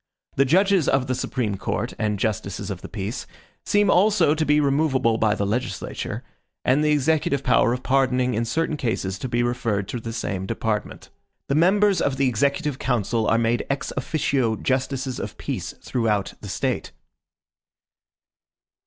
The judges of the Supreme Court and justices of the peace seem also to be removable by the legislature; and the executive power of pardoning in certain cases, to be referred to the same department. The members of the executive council are made EX OFFICIO justices of peace throughout the State.